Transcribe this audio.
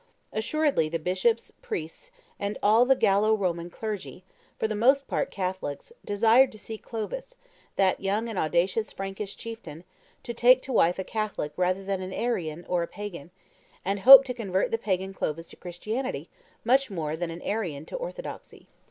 Assuredly the bishops, priests, and all the Gallo Roman clergy, for the most part Catholics, desired to see Clovis, that young and audacious Frankish chieftain, take to wife a Catholic rather than an Arian or a pagan, and hoped to convert the pagan Clovis to Christianity much more than an Arian to orthodoxy.